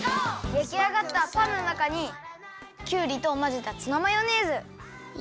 やきあがったパンのなかにきゅうりとまぜたツナマヨネーズ。いれて。